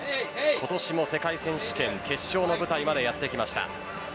今年も世界選手権決勝の舞台までやってきました。